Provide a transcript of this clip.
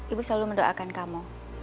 ibu selalu mendoakan kamu